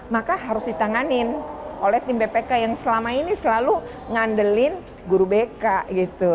maka harus ditanganin oleh tim bpk yang selama ini selalu ngandelin guru bk gitu